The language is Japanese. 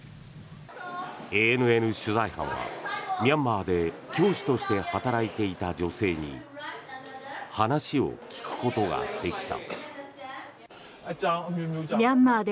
ＡＮＮ取材班は、ミャンマーで教師として働いていた女性に話を聞くことができた。